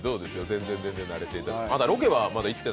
全然慣れていただいて。